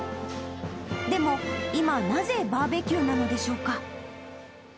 でも今、なぜバーベキューなのでしょうか。